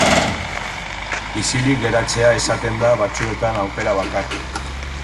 Isilik geratzea izaten da batzuetan aukera bakarra.